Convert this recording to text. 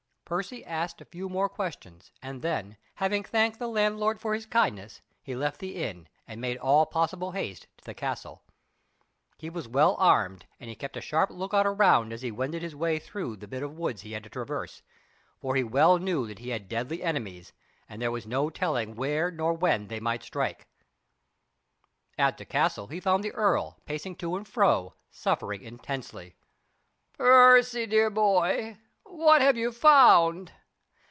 Percy asked a few more questions, and then, having thanked the landlord for his kindness, he left the inn and made all possible haste to the castle. He was well armed, and he kept a sharp lookout around as he wended his way through the bit of woods he had to traverse, for he well knew that he had deadly enemies, and there was no telling where nor when they might strike. At the castle he found the earl, pacing to and fro, suffering intensely. "Percy, dear boy! what have you found?"